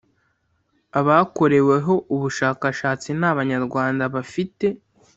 abakoreweho ubushakashatsi ni abanyarwanda bafite